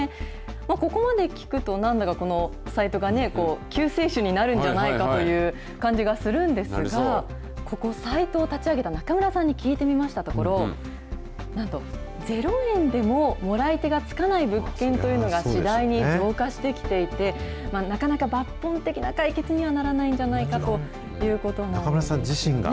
ここまで聞くと、なんだかこのサイトがね、救世主になるんじゃないかという感じがするんですが、サイトを立ち上げた中村さんに聞いてみましたところ、なんと、０円でも、もらい手がつかない物件というのが、次第に増加してきていて、なかなか抜本的な解決にはならないんじゃないかということなんで中村さん自身が？